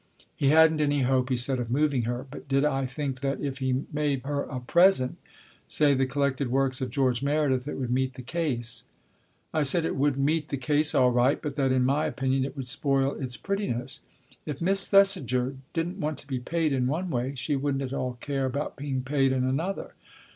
He hadn't any hope, he said, of moving her ; but did I think that if he made her a present say, the Collected Works of George Meredith, it would meet the case ? I said it would meet the case all right, but that in my opinion it would spoil its prettiness. If Miss Thesiger didn't want to be paid in one way, she wouldn't at all care about being paid in another.